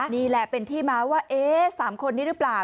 นี่แหละเป็นที่มาว่าเอ๊ะ๓คนนี้หรือเปล่า